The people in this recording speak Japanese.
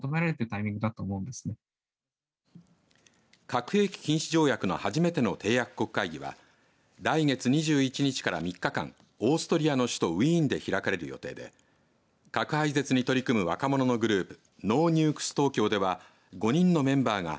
核兵器禁止条約の初めての締約国会議は来月２１日から３日間オーストリアの首都ウィーンで開かれる形で核廃絶に取り組む若者のグループ